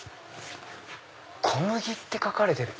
「小麦」って書かれてる。